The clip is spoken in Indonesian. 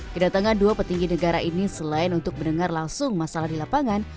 kedatangan dua petinggi negara ini selain untuk mendengar langsung masalah di lapangan